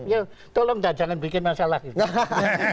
ya tolong jangan bikin masalah gitu